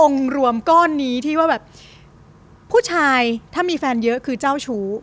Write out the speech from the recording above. รวมก้อนนี้ที่ว่าแบบผู้ชายถ้ามีแฟนเยอะคือเจ้าชู้